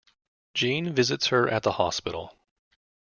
Gene visits her at the hospital.